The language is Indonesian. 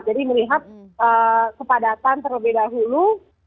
jadi melihat kepadatan terlebih dahulu